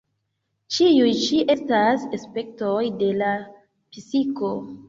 Ĉiuj ĉi estas aspektoj de la psiko.